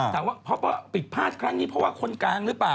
ถามว่าพอบิดภาษณ์ครั้งนี้เพราะว่าคนกลางหรือเปล่า